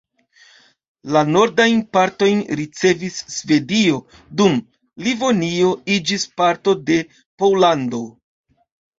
La nordajn partojn ricevis Svedio, dum Livonio iĝis parto de Pollando.